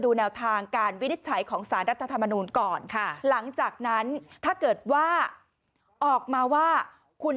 แนวทางการวินิจฉัยของสารรัฐธรรมนูลก่อนค่ะหลังจากนั้นถ้าเกิดว่าออกมาว่าคุณ